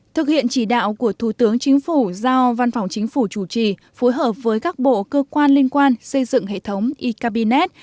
thực hiện chỉ đạo của thủ tướng chính phủ giao văn phòng chính phủ chủ trì phối hợp với các bộ cơ quan liên quan xây dựng hệ thống e cabinet